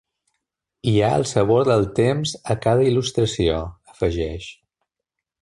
Hi ha el sabor del temps a cada il·lustració, afegeix.